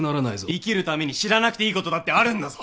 生きるために知らなくていいことだってあるんだぞ！